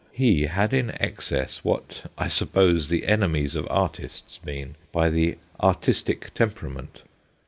He had in excess what I suppose the enemies of artists mean by the artistic temperament.